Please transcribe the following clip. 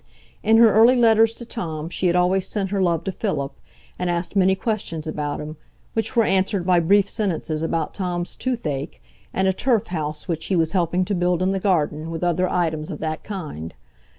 In her early letters to Tom she had always sent her love to Philip, and asked many questions about him, which were answered by brief sentences about Tom's toothache, and a turf house which he was helping to build in the garden, with other items of that kind.